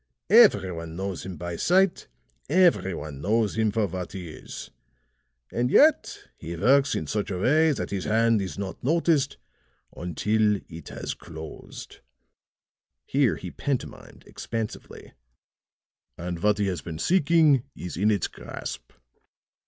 Every one knows him by sight; every one knows him for what he is. And yet he works in such a way that his hand is not noticed until it has closed," here he pantomimed expansively, "and what he has been seeking is in its grasp."